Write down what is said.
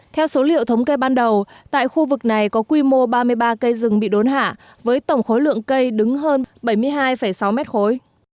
theo số liệu thống kê ban đầu tại khu vực này có quy mô ba mươi ba cây rừng bị đốn hạ với tổng khối lượng cây đứng hơn bảy mươi hai sáu mét khối